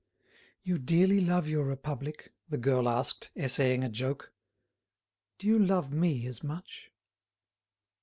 "You dearly love your Republic?" the girl asked, essaying a joke. "Do you love me as much?"